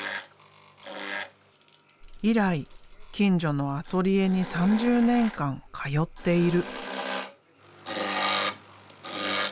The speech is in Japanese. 以来近所のアトリエに３０年間通っている。